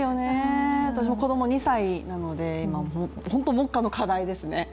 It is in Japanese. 私も子供２歳なので、本当に目下の課題ですね。